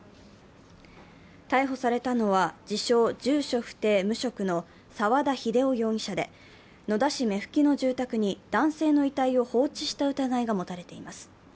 逮捕されたのは、自称、住所不定・無職の沢田秀穂容疑者で、野田市目吹の住宅に男性の遺体を放置した疑いが持たれています。